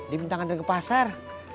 dimintang anterin ke pasar